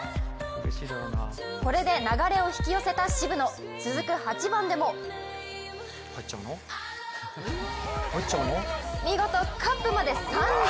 これで流れを引き寄せた渋野続く８番でも見事、カップまで３０ｃｍ。